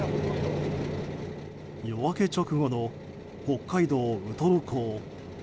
夜明け直後の北海道ウトロ港。